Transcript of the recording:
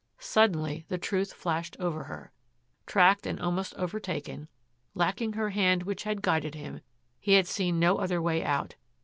Suddenly the truth flashed over her. Tracked and almost overtaken, lacking her hand which had guided him, he had seen no other way out.